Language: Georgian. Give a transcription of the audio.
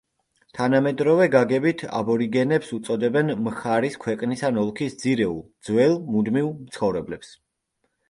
თანამედროვე გაგებით აბორიგენებს უწოდებენ მხარის, ქვეყნის ან ოლქის ძირეულ, ძველ, მუდმივ მცხოვრებლებს.